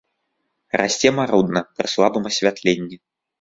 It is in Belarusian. Расце марудна, пры слабым асвятленні.